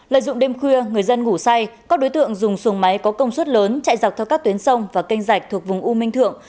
lợi dụng đêm khuya người dân ngủ say có đối tượng dùng sùng máy có công suất lớn chạy dọc theo các tuyến sông và kênh dạch thuộc vùng u minh thượng